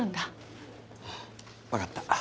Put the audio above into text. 分かった。